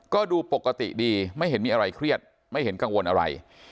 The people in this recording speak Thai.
ก็ดูปกติดีไม่เห็นมีอะไรเครียดไม่เห็นกังวลอะไร